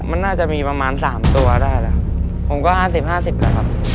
มันน่าจะมีประมาณสามตัวได้แล้วครับผมก็ห้าสิบห้าสิบแล้วครับ